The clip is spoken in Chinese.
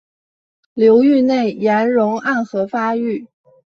流域内岩溶暗河发育。